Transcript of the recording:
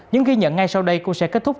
nhưng ghi nhận ngay sau đây cô sẽ kết thúc